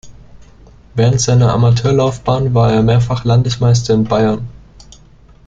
Während seiner Amateurlaufbahn war er mehrfach Landesmeister in Bayern.